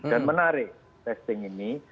dan menarik testing ini